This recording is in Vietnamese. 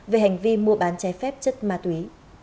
về hành vi mua bán trái phép chất ma túy